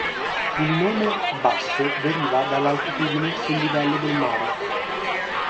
Il nome Basso, deriva dall' altitudine sul livello del mare.